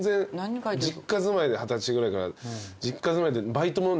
実家住まいで二十歳ぐらいから。